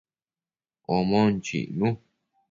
Omon chicnu